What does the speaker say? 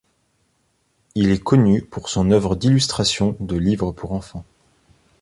Il est connu pour son œuvre d’illustration de livres pour enfants.